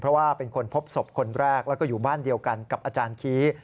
เพราะว่าเป็นคนพบศพคนแรกแล้วก็อยู่บ้านเดียวกันกับอาจารย์คี้